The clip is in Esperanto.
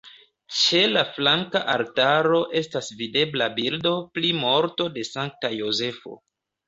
Ĉe la flanka altaro estas videbla bildo pri morto de Sankta Jozefo.